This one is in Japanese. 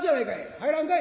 入らんかい」。